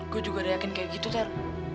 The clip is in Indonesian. gue juga udah yakin kayak gitu ter